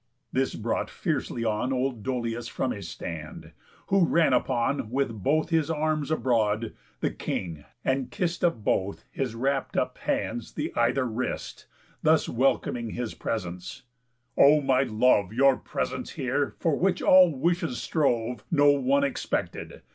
This brought fiercely on Old Dolius from his stand; who ran upon, With both his arms abroad, the King, and kiss'd Of both his rapt up hands the either wrist, Thus welcoming his presence: "O my love, Your presence here, for which all wishes strove, No one expected.